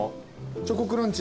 チョコクランチ。